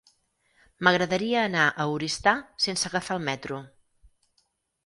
M'agradaria anar a Oristà sense agafar el metro.